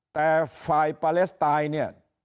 แต่ฝ่ายปาเลสไตนี้